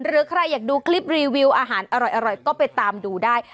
หรือใครอยากดูคลิปรีวิวอาหารอร่อยก็ไปตามดูได้